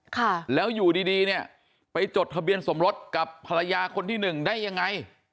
ค่ะแล้วอยู่ดีดีเนี่ยไปจดทะเบียนสมรสกับภรรยาคนที่หนึ่งได้ยังไง